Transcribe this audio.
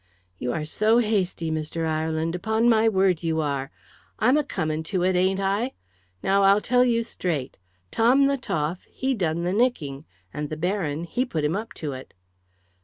"You are so hasty, Mr. Ireland, upon my word you are. I'm a coming to it, ain't I? Now I'll tell you straight. Tom the Toff, he done the nicking; and the Baron, he put him up to it."